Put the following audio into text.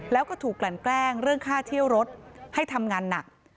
แล้วก็ถูกกลั่นแกล้งเรื่องค่าเที่ยวรถให้ทำงานหนัก